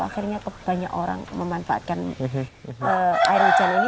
akhirnya banyak orang memanfaatkan air hujan ini